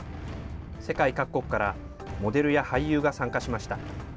世界各国からモデルや俳優が参加しました。